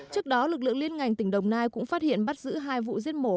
trước đó lực lượng liên ngành tỉnh đồng nai cũng phát hiện bắt giữ hai vụ giết mổ